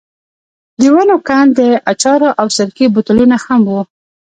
د ونو کنډ، د اچارو او سرکې بوتلونه هم وو.